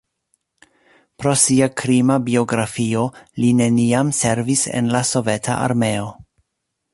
Pro sia krima biografio li neniam servis en la Soveta Armeo.